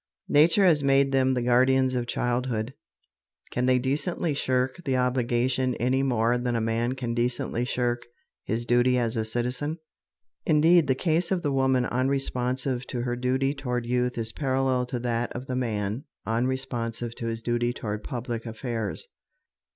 Nature has made them the guardians of childhood. Can they decently shirk the obligation any more than a man can decently shirk his duty as a citizen? Indeed, the case of the woman unresponsive to her duty toward youth is parallel to that of the man unresponsive to his duty toward public affairs.